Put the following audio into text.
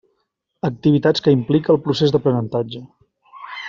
Activitats que implica el procés d'aprenentatge.